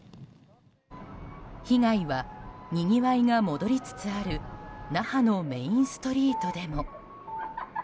被害はにぎわいが戻りつつある那覇のメインストリートでも。